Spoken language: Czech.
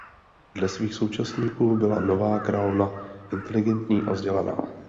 Dle svých současníků byla nová královna inteligentní a vzdělaná.